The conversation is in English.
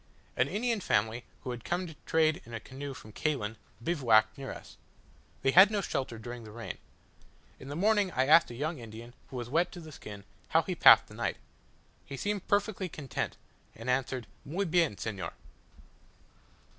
An Indian family, who had come to trade in a canoe from Caylen, bivouacked near us. They had no shelter during the rain. In the morning I asked a young Indian, who was wet to the skin, how he had passed the night. He seemed perfectly content, and answered, "Muy bien, senor."